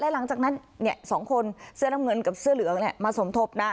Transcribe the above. หลังจากนั้นสองคนเสื้อน้ำเงินกับเสื้อเหลืองมาสมทบนะ